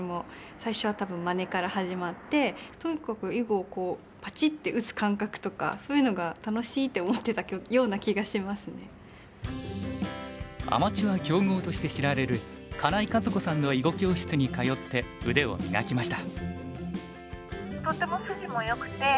最初は多分まねから始まってとにかく囲碁をアマチュア強豪として知られる金井和子さんの囲碁教室に通って腕を磨きました。